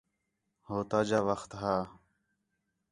ہو تاجا وخت ہا